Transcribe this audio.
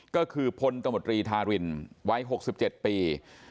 ก็คือพลตมตรีธารินวัย๖๗ปี